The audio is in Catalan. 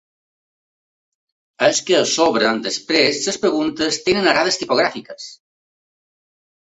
És que a sobre després les preguntes tenen errades tipogràfiques.